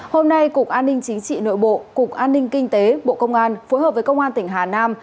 hôm nay cục an ninh chính trị nội bộ cục an ninh kinh tế bộ công an phối hợp với công an tỉnh hà nam